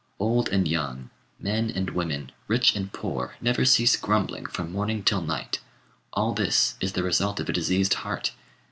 Old and young, men and women, rich and poor, never cease grumbling from morning till night. All this is the result of a diseased heart.